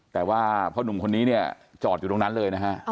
แต่ว่าพ่อนุ่มคนนี้เนี่ยจอดอยู่ตรงนั้นเลยนะฮะ